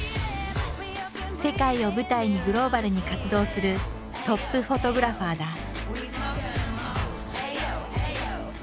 世界を舞台にグローバルに活動するトップフォトグラファーだ。